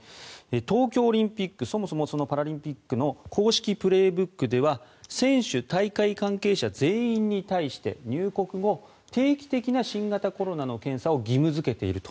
東京オリンピックそもそもパラリンピックの「公式プレーブック」では選手・大会関係者全員に対して入国後定期的な新型コロナの検査を義務付けていると。